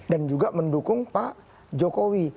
dan juga mendukung pak jokowi